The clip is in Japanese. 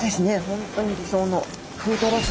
本当に理想の。